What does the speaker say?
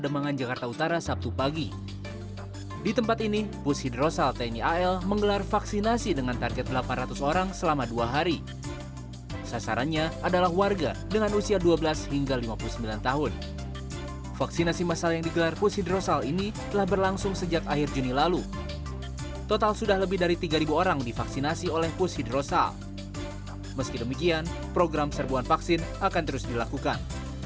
meski demikian program serbuan vaksin akan terus dilakukan